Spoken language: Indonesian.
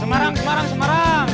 semarang semarang semarang